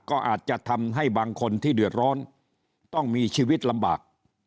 ก็อาจจะทำให้บางคนที่เดือดร้อนต้องมีชีวิตลำบาก